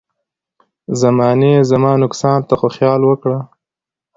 زمانې زما نقصان ته خو خيال وکړه.